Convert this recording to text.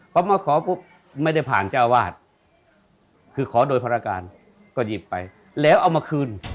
พร้อมก็ขอไม่ได้ผ่านจ้าวาทขอโดยพระราการก็หยิบไปแล้วเอามาคืน